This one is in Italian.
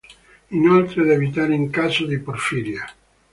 Inoltre da evitare in caso di porfiria.